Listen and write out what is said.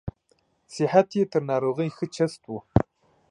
صحت یې تر ناروغۍ ښه چست و.